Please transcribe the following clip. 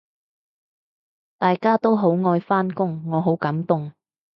大家都好愛返工，我好感動